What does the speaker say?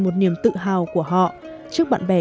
một niềm tự hào của họ trước bạn bè